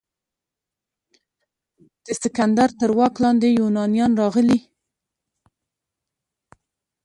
د سکندر تر واک لاندې یونانیان راغلي.